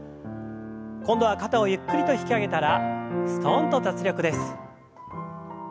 今度は肩をゆっくりと引き上げたらすとんと脱力です。